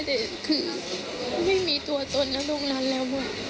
แต่คือไม่มีตัวตนแล้วตรงนั้นแล้ว